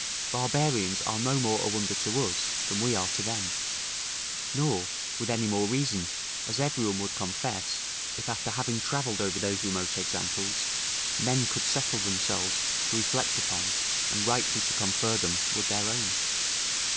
Barbarians are no more a wonder to us, than we are to them; nor with any more reason, as every one would confess, if after having travelled over those remote examples, men could settle themselves to reflect upon, and rightly to confer them, with their own.